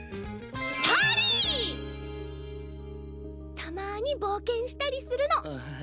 たまに冒険したりするの。ははっ。